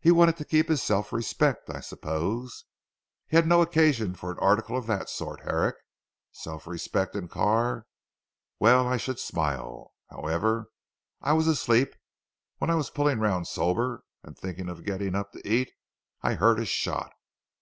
"He wanted to keep his self respect I suppose." "He had no occasion for an article of that sort Herrick. Self respect and Carr! well I should smile. However, I was asleep. When I was pulling round sober, and thinking of getting up to eat, I heard a shot.